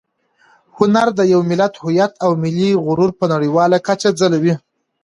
هنر د یو ملت هویت او ملي غرور په نړیواله کچه ځلوي.